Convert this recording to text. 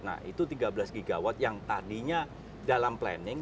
nah itu tiga belas gigawatt yang tadinya dalam planning